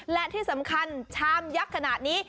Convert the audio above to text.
และที่สำคัญชามยักษ์ขนาดนี้